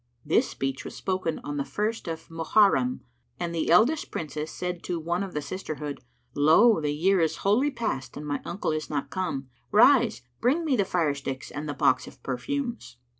This speech was spoken on the first of Moharram[FN#108]; and the eldest Princess said to one of the sisterhood, "Lo, the year is wholly past and my uncle is not come. Rise, bring me the fire sticks and the box of perfumes."